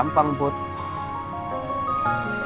tapi yang lagi gue pikirin sekarang